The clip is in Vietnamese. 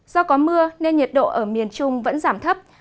do có mưa nên nhiệt độ ở miền trung vẫn giảm thấp